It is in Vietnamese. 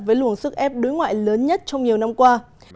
với luồng sức ép đối ngoại lớn nhất trong nhiều năm qua